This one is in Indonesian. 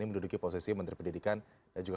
menduduki posisi menteri pendidikan dan juga